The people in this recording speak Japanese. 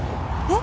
え？